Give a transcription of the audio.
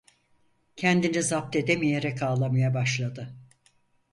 Kendini zapt edemeyerek ağlamaya başladı.